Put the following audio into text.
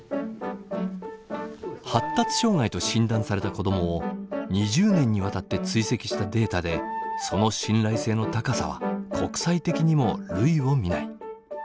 発達障害と診断された子どもを２０年にわたって追跡したデータでその信頼性の高さは国際的にも類を見ない。